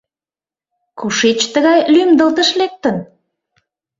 Кушеч тыгай лӱмдылтыш лектын?